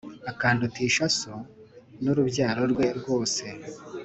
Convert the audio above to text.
akandutisha so n’urubyaro rwe rwose